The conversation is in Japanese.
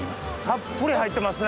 たっぷり入ってますね。